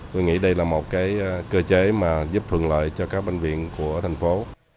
tôi nghĩ đây là một cơ chế mà giúp thuận lợi cho các bệnh viện của thành phố